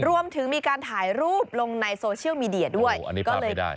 รวมถึงมีการถ่ายรูปลงในโซเชียลมีเดียด้วยโอ้อันนี้ภาพไม่ได้